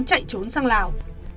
chạy trốn sang lào